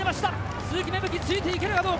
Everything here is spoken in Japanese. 鈴木芽吹、ついていけるかどうか。